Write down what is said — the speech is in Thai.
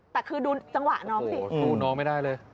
แต่คือดูจังหวะน้องสิสู้น้องไม่ได้เลย